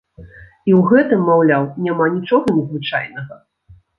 І ў гэтым, маўляў, няма нічога незвычайнага.